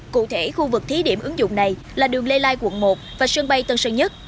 cụ thể khu vực thí điểm ứng dụng này là đường lê lai quận một và sân bay tân sơn nhất